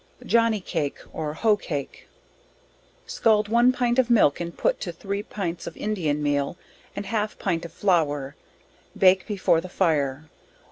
Johny Cake, or Hoe Cake. Scald 1 pint of milk and put to 3 pints of Indian meal, and half pint of flower bake before the fire.